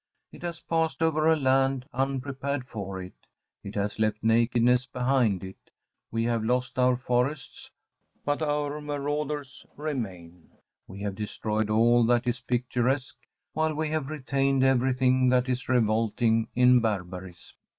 It has passed over a land unprepared for it it has left nakedness behind it; we have lost our forests, but our marauders remain; we have destroyed all that is picturesque, while we have retained everything that is revolting in barbarism.